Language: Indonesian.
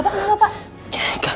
pak pak bapak